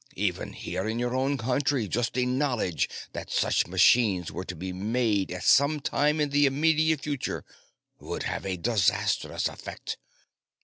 Even here in your own country, just the knowledge that such machines were to be made at some time in the immediate future would have a disastrous effect!